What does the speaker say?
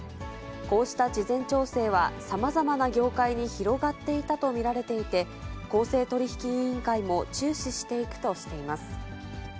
こうした事前調整はさまざまな業界に広がっていたと見られていて、公正取引委員会も注視していくとしています。